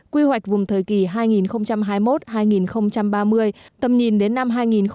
quy hoạch vùng thời kỳ hai nghìn hai mươi một hai nghìn ba mươi tầm nhìn đến năm hai nghìn năm mươi